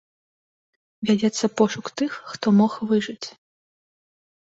Вядзецца пошук тых, хто мог выжыць.